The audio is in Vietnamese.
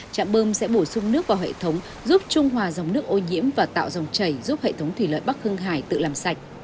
chạm bơm sẽ bổ sung nước vào hệ thống giúp trung hòa dòng nước ô nhiễm và tạo dòng chảy giúp hệ thống thủy lợi bắc hưng hải tự làm sạch